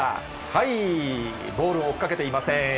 はい、ボールを追っかけていません。